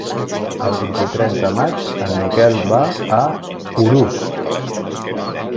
El vint-i-tres de maig en Miquel va a Urús.